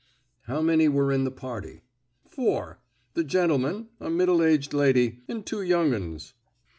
"How many were in the party?" "Four. The gentleman, a middle aged lady, and two young 'uns."